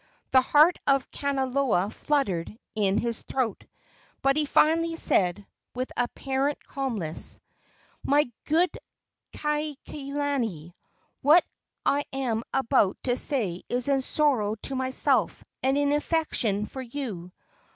The heart of Kanaloa fluttered in his throat, but he finally said, with apparent calmness: "My good Kaikilani, what I am about to say is in sorrow to myself and in affection for you.